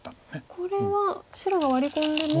これは白がワリ込んでも。